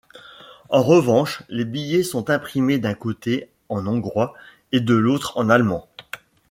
En revanche, les billets sont imprimés d'un côté en hongrois, de l'autre en allemand.